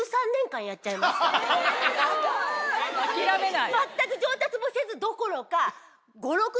諦めない。